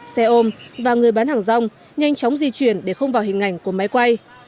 xe ôm và người bán hàng rong nhanh chóng di chuyển để không vào hình ảnh của máy quay